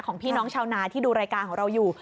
พี่น้องชาวนาที่ดูรายการของเราอยู่